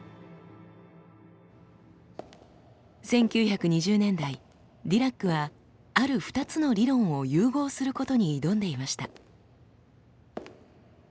１９２０年代ディラックはある２つの理論を融合することに挑んでいました。